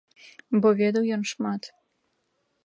Бо ведаў ён шмат.